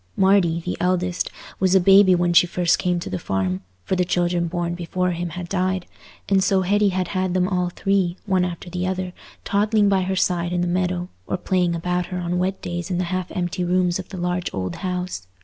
Marty, the eldest, was a baby when she first came to the farm, for the children born before him had died, and so Hetty had had them all three, one after the other, toddling by her side in the meadow, or playing about her on wet days in the half empty rooms of the large old house.